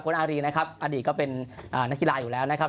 คุณอารีนะครับอดีตก็เป็นนักกีฬาอยู่แล้วนะครับ